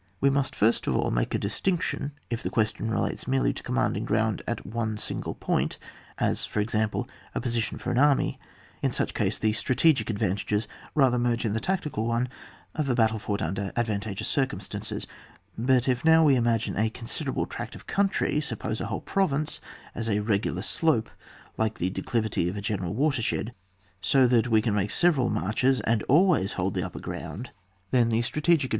We must first of all make a distinc tion if the question relates merely to commanding ground at one single point, as, for example, a position for an army ; in such case the strategic advantages rather merge in the tactical one of a battle fought under advantageous cir cumstances; but if now we imagine a considerable tract of country — sup pose a whole province — as a regular slope, like the declivity at a general watershed, so that we can make several marches, and always hold the upper ground, then the strategic ad TOU II.